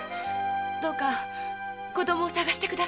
どうか子供を捜して下さい。